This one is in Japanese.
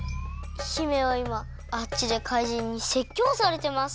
姫はいまあっちでかいじんにせっきょうされてます。